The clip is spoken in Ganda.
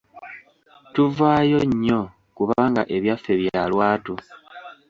Tuvaayo nnyo kubanga ebyaffe bya lwatu.